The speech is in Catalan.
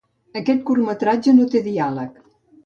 Aquest curtmetratge no té diàleg.